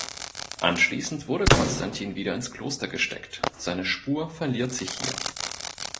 Anschließend wurde Konstantin wieder ins Kloster gesteckt; seine Spur verliert sich hier.